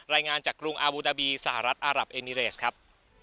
รายงานจากกรุงอาบูดาบีสหรัฐอารับเอมิเรสครับ